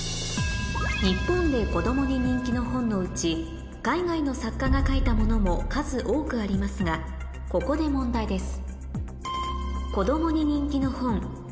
日本で子供に人気の本のうち海外の作家が書いたものも数多くありますがここで問題です